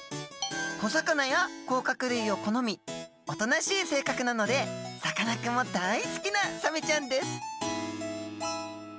小魚や甲殻類を好みおとなしい性格なのでさかなクンも大好きなサメちゃんです